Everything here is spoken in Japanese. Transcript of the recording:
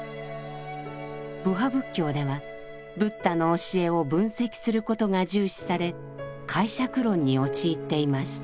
部派仏教ではブッダの教えを分析することが重視され解釈論に陥っていました。